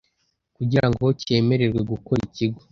kugira ngo cyemererwe gukora ikigo